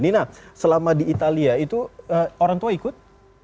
dina selama di italia itu orang tua ikut